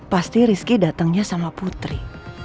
pasti rizky datangnya sama putri